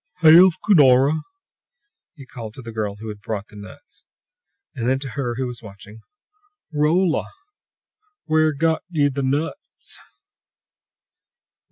"Hail, Cunora!" he called to the girl who had brought the nuts; then, to her who was watching: "Rolla! Where got ye the nuts?"